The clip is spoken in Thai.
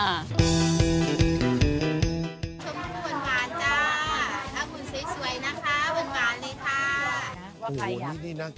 ชมพูบ่นหวานจ้าขอบคุณสวยนะคะบ่นหวานเลยค่ะ